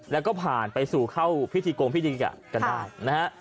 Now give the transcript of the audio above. แล้วก็ผ่านไปสู่เข้าพิธีโกงพิธีกันได้นะฮะ